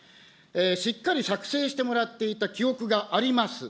しっかり作成してもらっていた記憶があります。